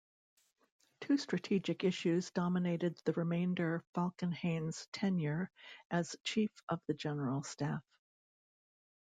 Two strategic issues dominated the remainder Falkenhayn's tenure as Chief of the General Staff.